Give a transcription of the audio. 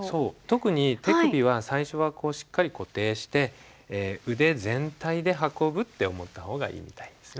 特に手首は最初はこうしっかり固定して腕全体で運ぶって思った方がいいみたいですね。